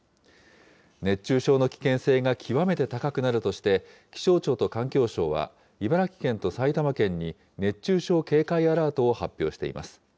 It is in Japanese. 熱中症の危険性が極めて高くなるとして、気象庁と環境省は、茨城県と埼玉県に熱中症警戒アラートを発表しています。